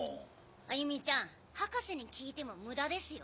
歩美ちゃん博士に聞いても無駄ですよ。